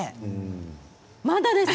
まだです。